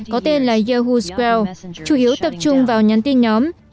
có tên là yahoo square chủ yếu tập trung vào nhắn tin nhóm